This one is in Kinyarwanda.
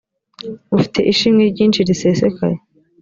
mufite ishimwe ryinshi risesekaye